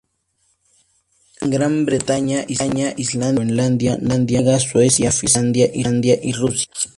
En Gran Bretaña, Islandia, Groenlandia, Noruega, Suecia, Finlandia y Rusia.